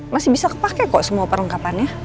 masih bisa kepake kok semua perlengkapannya